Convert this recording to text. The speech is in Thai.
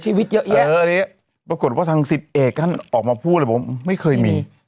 ชีวิตเยอะแยะปรากฏว่าทางสิทธิเอกท่านออกมาพูดเลยบอกว่าไม่เคยมี